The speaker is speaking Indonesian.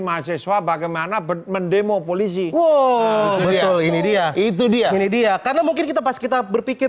mahasiswa bagaimana mendemo polisi wow betul ini dia itu dia ini dia karena mungkin kita pas kita berpikir